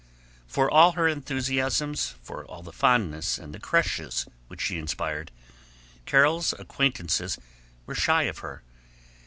For all her enthusiasms, for all the fondness and the "crushes" which she inspired, Carol's acquaintances were shy of her.